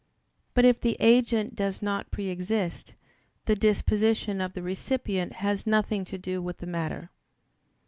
But if the agent does not pre exist, the disposition of the recipient has nothing to do with the matter.